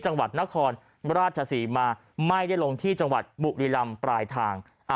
จังหวัดนครราชศรีมาไม่ได้ลงที่จังหวัดบุรีลำปลายทาง